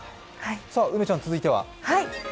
さあ梅ちゃん、続いては？